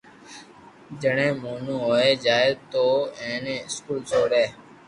جيڻي موٽو ھوئي جائي تو ائني اسڪول سوري